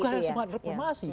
bukannya semangat reformasi